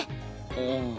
うん。